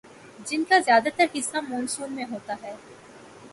جن کا زیادہ تر حصہ مون سون میں ہوتا ہے